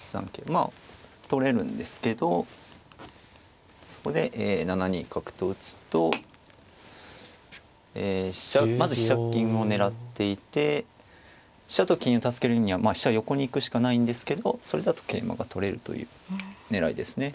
まあ取れるんですけどここで７二角と打つとまず飛車金を狙っていて飛車と金を助けるには飛車横に行くしかないんですけどそれだと桂馬が取れるという狙いですね。